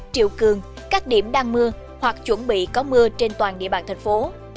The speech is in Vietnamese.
triệu cường các điểm đang mưa hoặc chuẩn bị có mưa trên toàn địa bàn thành phố